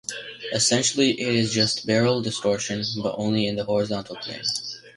Essentially it is just barrel distortion but only in the horizontal plane.